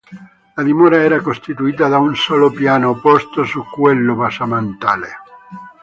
La dimora era costituita da un solo piano posto su quello basamentale.